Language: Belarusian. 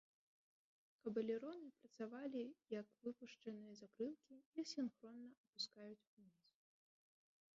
Каб элероны працавалі як выпушчаныя закрылкі, іх сінхронна апускаюць уніз.